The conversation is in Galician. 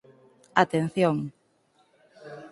Atención!